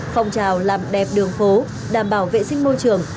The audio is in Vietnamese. phòng trào làm đẹp đường phố đảm bảo vệ sinh môi trường